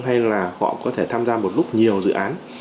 hay là họ có thể tham gia một lúc nhiều dự án